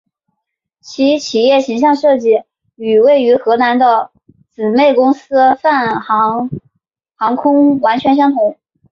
其企业形象设计与位于荷兰的姊妹公司泛航航空完全相同。